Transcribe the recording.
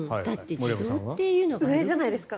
上じゃないですか？